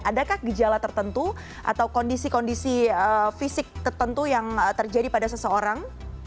adakah gejala tertentu atau kondisi kondisi fisik tertentu yang terjadi pada seseorang